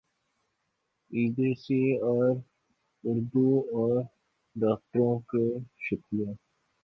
ی B C Urdu اور ڈاکٹروں کا شکری